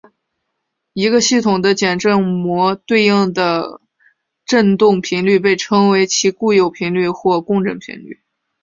一个系统的简正模对应的振动频率被称为其固有频率或共振频率。